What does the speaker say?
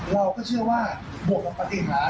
เราก็เชื่อว่าบวกกับปฏิหาร